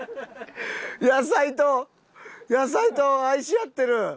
野菜と野菜と愛し合ってる！